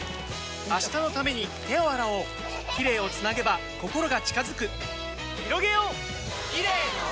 明日のために手を洗おうキレイをつなげば心が近づくひろげようキレイの輪！